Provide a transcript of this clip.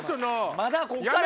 まだこっからやな。